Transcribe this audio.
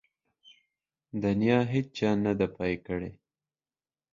د نيا هيچا نده پاى کړې.